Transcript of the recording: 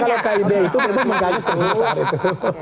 kalau kib itu memang menggalis ke seluruh saat itu